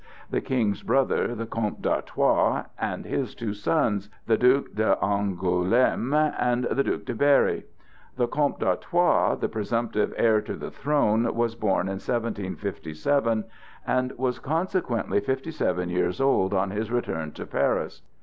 The King's brother, the Comte d'Artois, and his two sons: The Duc d'Angoulême, and The Duc de Berry. The Comte d'Artois, the presumptive heir to the throne, was born in 1757, and was consequently fifty seven years old on his return to Paris.